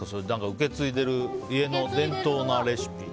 受け継いでいる家の伝統のレシピ。